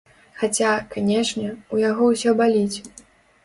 Хаця, канечне, у яго ўсё баліць.